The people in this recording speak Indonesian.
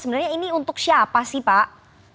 sebenarnya ini untuk siapa sih pak